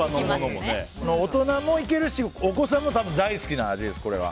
大人もいけるしお子さんも大好きな味です。